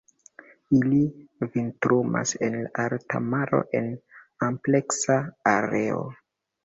Ili vintrumas en alta maro en ampleksa areo.